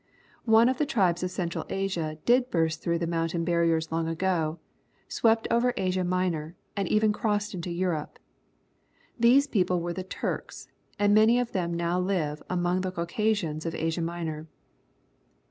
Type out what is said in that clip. One of the tribes of Central Asia did burst through the mountain barriers long ago, swept over Asia Minor, and even crossed into Europe. These people were \\\e Turks, and many of them now live among the Cau casians of Asia Minor.